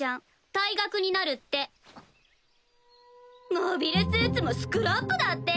モビルスーツもスクラップだって。